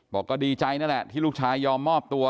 บอกก็ดีใจนั่นแหละที่ลูกชายยอมมอบตัว